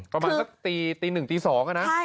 ประมาณสักตี๑๒น่ะนะ